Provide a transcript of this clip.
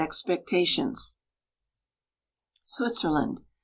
xpectations. SwiTZERn.Axr).